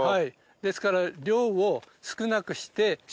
ですから。